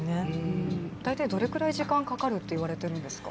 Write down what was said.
大体どれぐらい時間がかかるっていわれているんですか？